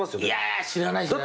いや知らない。